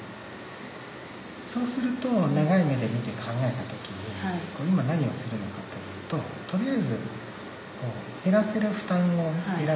そうすると長い目で見て考えた時に今何をするのかというと取りあえず。